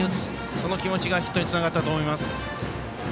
その気持ちがヒットにつながったと思います。